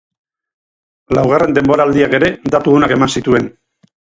Laugarren denboraldiak ere datu onak eman zituen.